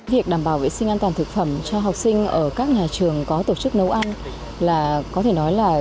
việc đảm bảo vệ sinh an toàn thực phẩm cho học sinh ở các nhà trường có tổ chức nấu ăn là có thể nói là